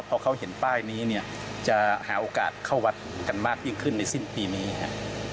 พอเขาเห็นป้ายนี้เนี่ยจะหาโอกาสเข้าวัดกันมากยิ่งขึ้นในสิ้นปีนี้ครับ